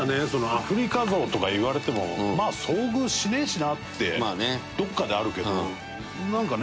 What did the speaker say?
アフリカゾウとか言われてもまあ遭遇しねえしなってどこかであるけどなんかね